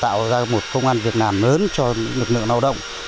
tạo ra một công an việt nam lớn cho lực lượng lao động